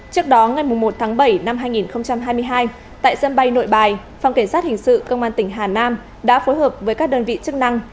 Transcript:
trước đó ngày một tháng bảy năm hai nghìn hai mươi hai tại sân bay nội bài phòng cảnh sát hình sự công an tỉnh hà nam đã phối hợp với các đơn vị chức năng